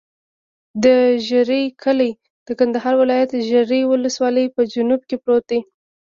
د ژرۍ کلی د کندهار ولایت، ژرۍ ولسوالي په جنوب کې پروت دی.